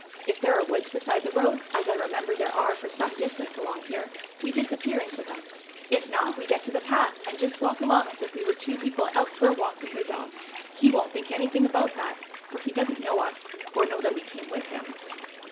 If there are woods beside the road, as I remember there are for some distance along here, we disappear into them. If not, we get to the path, and just walk along as if we were two people out for a walk with their dog. He won't think anything about that, for he doesn't know us, or know that we came with him."